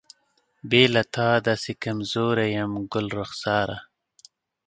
بې له تا داسې کمزوری یم ګلرخساره.